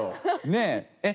ねえ。